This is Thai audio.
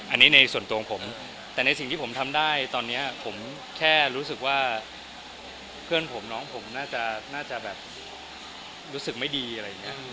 อันนี้ในส่วนตัวของผมแต่ในสิ่งที่ผมทำได้ตอนนี้ผมแค่รู้สึกว่าเพื่อนผมน้องผมน่าจะแบบรู้สึกไม่ดีอะไรอย่างนี้